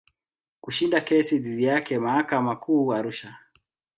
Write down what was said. Kushinda kesi dhidi yake mahakama Kuu Arusha.